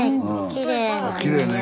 きれいね。